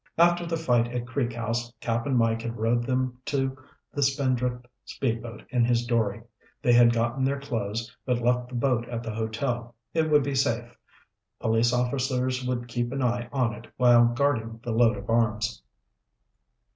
After the fight at Creek House, Cap'n Mike had rowed them to the Spindrift speedboat in his dory. They had gotten their clothes, but left the boat at the hotel. It would be safe; police officers would keep an eye on it while guarding the load of arms.